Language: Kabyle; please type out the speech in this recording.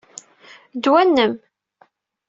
D awal-nnem!